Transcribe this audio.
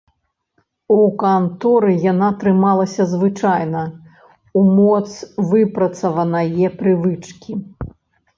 У канторы яна трымалася звычайна, у моц выпрацаванае прывычкі.